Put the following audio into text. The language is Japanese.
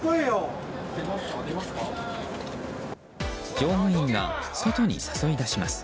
乗務員が外に誘い出します。